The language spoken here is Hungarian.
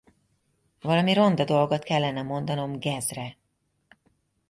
Valami ronda dolgot kellene mondanom Gaz-re.